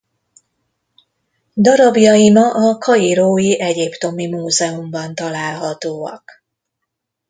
Darabjai ma a kairói Egyiptomi Múzeumban találhatóak.